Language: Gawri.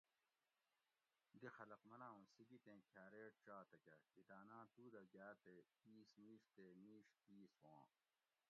دی خلق مناں اوں سِیگیتیں کھاۤریٹ چا تکہ ہِداناۤں تُودہ گاۤ تے اِیس مِیش تے مِیش اِیس ہواں